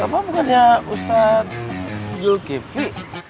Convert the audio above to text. kenapa bukannya ustadz jul kivli